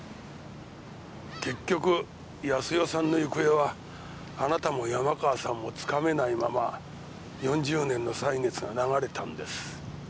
結局康代さんの行方はあなたも山川さんもつかめないまま４０年の歳月が流れたんです。